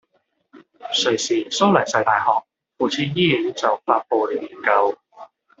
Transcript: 瑞士蘇黎世大學附設醫院就發佈了研究